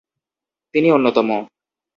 তিনি অন্যতম।